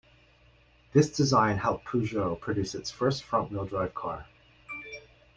This design helped Peugeot produce its first front-wheel-drive car.